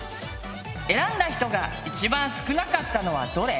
選んだ人が一番少なかったのはどれ？